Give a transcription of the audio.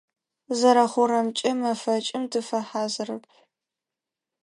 Зэрэхъурэмкӏэ, мэфэкӏым тыфэхьазырэп.